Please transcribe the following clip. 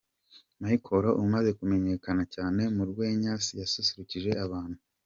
Michael Umaze kumenyekana cyane mu rwenya yasusurukije abantu.